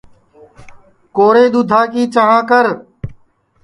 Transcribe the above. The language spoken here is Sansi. کورے دُؔدھا کی چانٚھ کر